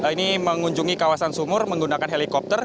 ini mengunjungi kawasan sumur menggunakan helikopter